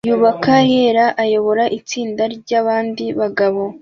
yubaka yera ayoboye itsinda ryabandi bagabo